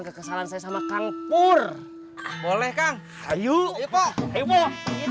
kekesalan saya sama kang pur boleh kang sayur itu heboh tidak jadi pada ya